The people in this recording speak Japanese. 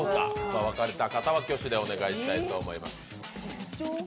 分かる方は挙手でお願いしたいと思います。